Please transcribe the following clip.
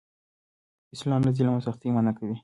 اسلام له ظلم او سختۍ منع کوي.